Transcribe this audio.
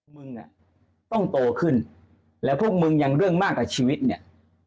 มึงอ่ะต้องโตขึ้นแล้วพวกมึงยังเรื่องมากกว่าชีวิตเนี่ย